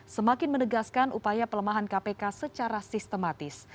semakin menegaskan upaya pelemahan kpk secara sistematis